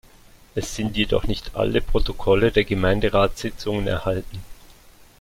Es sind jedoch nicht alle Protokolle der Gemeinderatssitzungen erhalten.